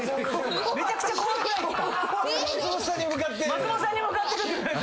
松本さんに向かってく。